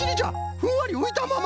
ふんわりういたまま！